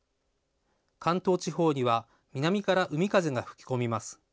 関東地方には南から海風が吹き込みます。